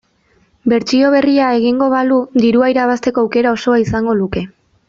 Bertsio berria egingo balu dirua irabazteko aukera osoa izango luke.